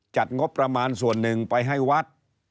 จัดงบประมาณส่วนหนึ่งไปให้วัด